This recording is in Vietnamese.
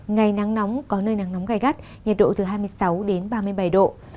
ngày nắng nóng có nơi nắng nóng gai gắt nhiệt độ từ hai mươi sáu đến ba mươi bảy độ